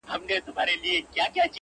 • د هغوی به همېشه خاوري په سر وي -